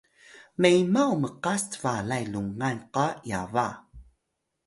memaw mqas cbalay lungan qa yaba